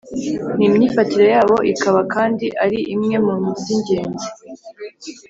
n’imyifatire yabo, ikaba kandi ari imwe mu z’ingenzi cyane